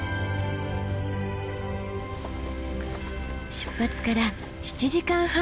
出発から７時間半。